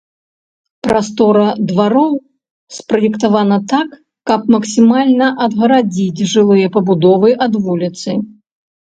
Прастора двароў спраектавана так, каб максімальна адгарадзіць жылыя пабудовы ад вуліцы.